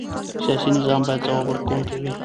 سیاسي نظام باید ځواب ورکوونکی وي